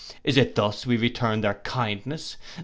Is it thus we return their kindness?